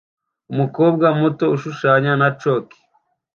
Umukobwa muto ushushanya na chalk